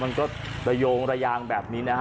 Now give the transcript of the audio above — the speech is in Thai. มันก็ระโยงระยางแบบนี้นะฮะ